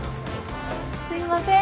すいません